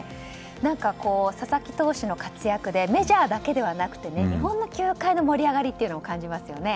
佐々木投手の活躍でメジャーだけでなくて日本の球界の盛り上がりも感じますね。